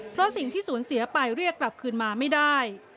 เพราะสิ่งที่สูญเสียไปเรียกกลับคืนมาไม่ได้